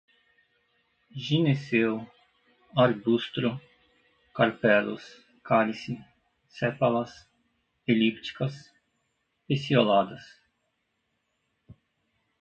gineceu, arbustro, carpelos, cálice, sépalas, elípticas, pecioladas